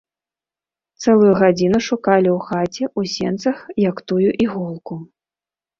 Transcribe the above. Цэлую гадзіну шукалі ў хаце, у сенцах, як тую іголку.